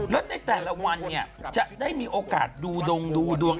แล้วในแต่ละวันเนี่ยจะได้มีโอกาสดูดงดูดวง